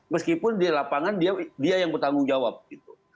meskipun di lapangan dia yang bertanggung jawab gitu